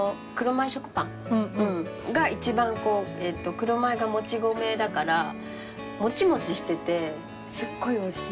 が一番黒米がもち米だからモチモチしててすっごいおいしい。